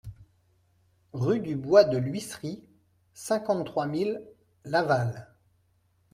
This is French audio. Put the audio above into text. Rue du Bois de l'Huisserie, cinquante-trois mille Laval